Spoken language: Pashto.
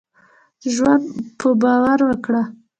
ژوند په باور وکړهٔ.